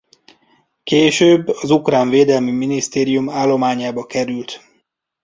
Később az ukrán védelmi minisztérium állományába került.